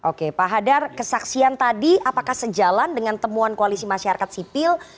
oke pak hadar kesaksian tadi apakah sejalan dengan temuan koalisi masyarakat sipil